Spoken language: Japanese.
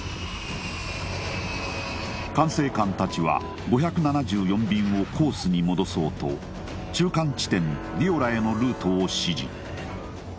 管制官達は５７４便をコースに戻そうと中間地点ディオラへのルートを指示